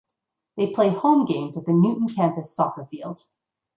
They play home games at Newton Campus Soccer Field.